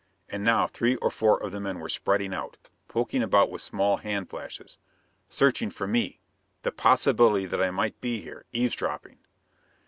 And now three or four of the men were spreading out, poking about with small hand flashes. Searching for me! The possibility that I might be here, eavesdropping!